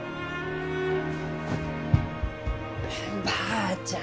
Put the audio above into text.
おばあちゃん